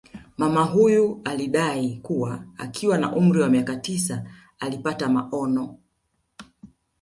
Mama huyu alidai kuwa akiwa na umri wa miaka tisa alipata maono